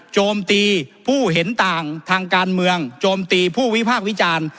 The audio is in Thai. โจมตีผู้เห็นต่างทางการเมืองโจมตีผู้วิพากษ์วิจารณ์